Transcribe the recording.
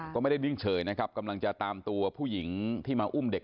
ก็ไม่ได้นิ่งเฉยนะครับกำลังจะตามตัวผู้หญิงที่มาอุ้มเด็ก